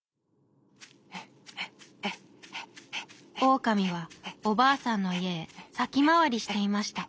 オオカミはおばあさんのいえへさきまわりしていました。